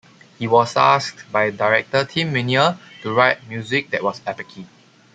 He was asked by director Tim Minear to write music that was epochy.